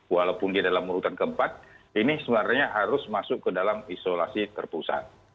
walaupun di dalam urutan ke empat ini sebenarnya harus masuk ke dalam isolasi terpusat